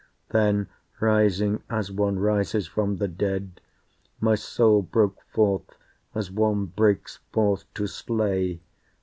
Then, rising as one rises from the dead, My soul broke forth as one breaks forth to slay.